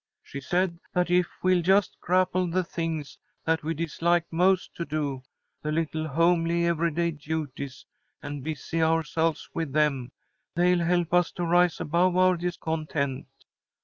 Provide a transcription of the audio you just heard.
She said that, if we'll just grapple the things that we dislike most to do, the little homely every day duties, and busy ourselves with them, they'll help us to rise above our discontent.